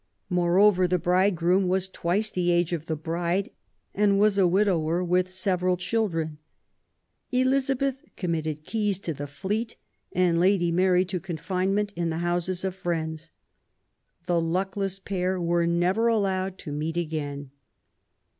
Moreover, the bridegroom was twice the age of the bride and was a widower with several children. go QUEEN ELIZABETH. Elizabeth committed Keys to the Fleet and Lady Mary to confinement in the houses of friends. The luckless pair were never allowed to meet again.